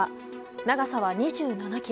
長さは２７ｋｍ。